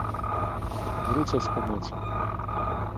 "Wrócę z pomocą."